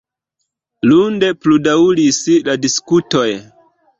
Lunde pludaŭris la diskutoj.